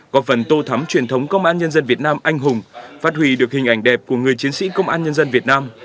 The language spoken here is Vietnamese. có phần tô thắm truyền thống công an nhân dân việt nam anh hùng phát huy được hình ảnh đẹp của người chiến sĩ công an nhân dân việt nam